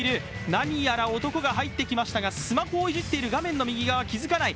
何やら男が入ってきましたがスマホをいじっている、画面の右側に気付かない。